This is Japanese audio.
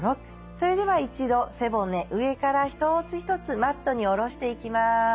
それでは一度背骨上から一つ一つマットに下ろしていきます。